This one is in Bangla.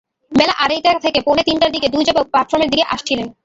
বেলা আড়াইটা থেকে পৌনে তিনটার দিকে দুই যুবক প্ল্যাটফর্মের দিকে আসছিলেন।